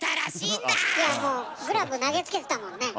いやもうグラブ投げつけてたもんね。